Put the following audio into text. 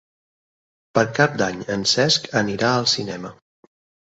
Per Cap d'Any en Cesc anirà al cinema.